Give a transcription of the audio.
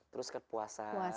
terus kan puasa